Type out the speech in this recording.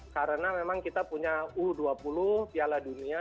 karena memang kita punya u dua puluh piala dunia